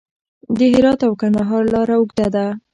د هرات او کندهار لاره اوږده ده